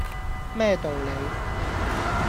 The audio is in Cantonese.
咩道理